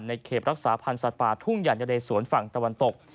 เขตรักษาพันธ์สัตว์ป่าทุ่งใหญ่นะเรสวนฝั่งตะวันตก